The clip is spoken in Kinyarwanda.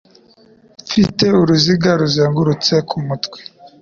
Mfite uruziga ruzengurutse ku mutwe.